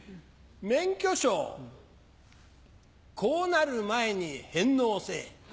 免許証こうなる前に返納せぇ。